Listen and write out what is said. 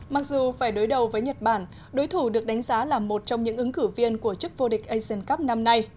mặc dù phải đối đầu với nhật bản đối thủ được đánh giá là một trong những ứng cử viên của chức vô địch asian cup năm nay